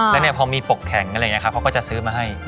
แล้วพอมีปกแข่งอะไรอย่างเนี่ยคะพวกเขาจะซื้อมาให้